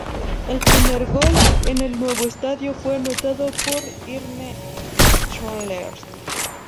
El primer gol en el nuevo estadio fue anotado por Imre Schlosser.